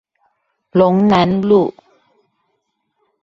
龍南路